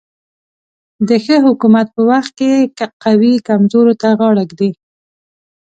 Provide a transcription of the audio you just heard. د ښه حکومت په وخت کې قوي کمزورو ته غاړه ږدي.